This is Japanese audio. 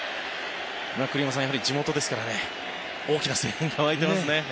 栗山さん、やはり地元ですからね大きな声援が沸いていますね。